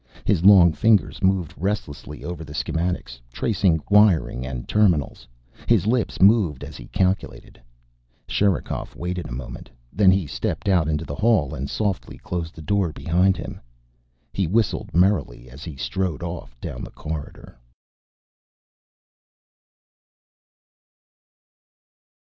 His long fingers moved restlessly over the schematics, tracing wiring and terminals. His lips moved as he calculated. Sherikov waited a moment. Then he stepped out into the hall and softly closed the door after him. He whistled merrily as he strode off down the corridor.